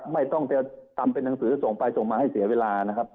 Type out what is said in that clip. ไม่ต้องจะทำเป็นหนังสือส่งไปส่งมาให้เสียเวลานะครับ